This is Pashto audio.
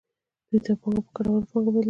دوی دا پانګه په ګټوره پانګه بدلوي